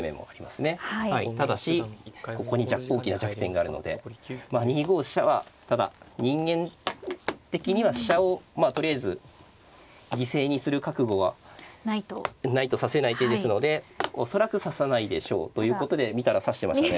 ただしここに大きな弱点があるので２五飛車はただ人間的には飛車をとりあえず犠牲にする覚悟はないと指せない手ですので恐らく指さないでしょうということで見たら指してましたね。